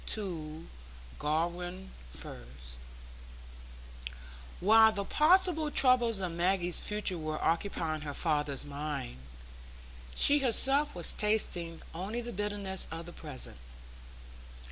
To Garum Firs While the possible troubles of Maggie's future were occupying her father's mind, she herself was tasting only the bitterness of the present.